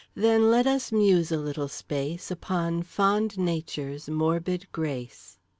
Then let us muse a little space Upon fond Nature's morbid grace."